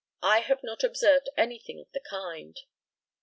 I have not observed anything of the kind.